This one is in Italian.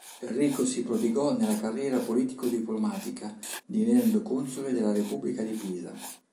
Enrico si prodigò nella carriera politico-diplomatica divenendo console della repubblica di Pisa.